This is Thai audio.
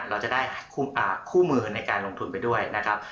เราจะได้คู่มือในการลงทุนไปด้วยนะครับ